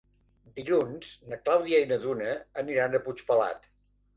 Dilluns na Clàudia i na Duna aniran a Puigpelat.